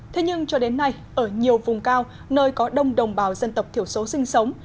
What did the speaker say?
thế nhưng cho đến nay ở nhiều vùng cao nơi có đông đồng bào dân tộc thiểu số sinh sống